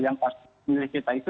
yang pasti pemilih kita itu